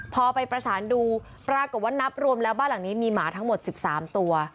พอไปประสานดูปรากฏว่านับรวมแล้วบ้านหลังนี้มีหมาทั้งหมด๑๓ตัว